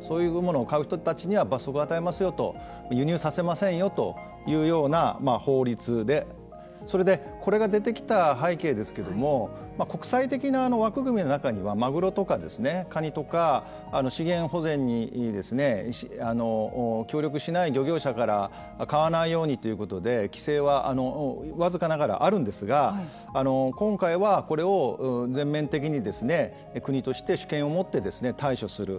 そういう物を買う人たちには罰則を与えますよと輸入させませんよというような法律でそれでこれが出てきた背景ですけれども国際的な枠組みの中にはマグロとかカニとか資源保全に協力しない漁業者から買わないようにということで規制は僅かながらあるんですが今回はこれを全面的に国として主権を持って対処する。